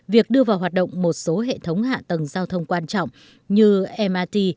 việc đưa vào hoạt động một số hệ thống hạ tầng giao thông quan trọng như mrt